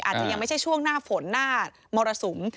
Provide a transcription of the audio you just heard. อาจจะยังไม่ใช่ช่วงหน้าฝนหน้ามรสุม